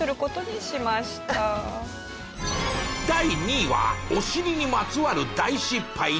第２位はお尻にまつわる大失敗２連発。